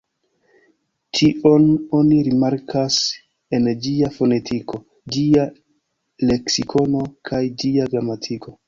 Tion oni rimarkas en ĝia fonetiko, ĝia leksikono kaj ĝia gramatiko.